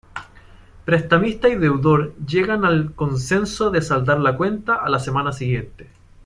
Prestamista y deudor llegan al consenso de saldar la cuenta a la semana siguiente.